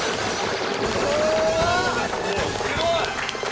すごい！